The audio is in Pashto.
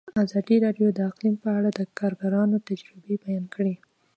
ازادي راډیو د اقلیم په اړه د کارګرانو تجربې بیان کړي.